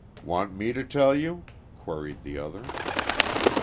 "Want me to tell you?" queried the other.